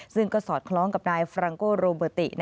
ซึ่งก็สอดคล้องกับนายฟรังโกโรเบอร์ติ